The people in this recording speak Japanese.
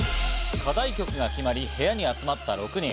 課題曲が決まり、部屋に集まった６人。